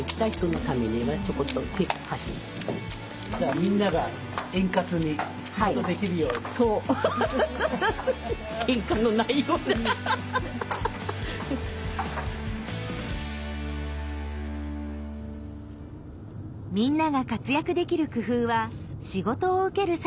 みんなが活躍できる工夫は仕事を受ける際にもあります。